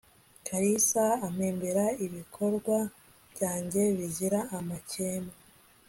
kalisa , ampembera ibikorwa byanjye bizira amakemwa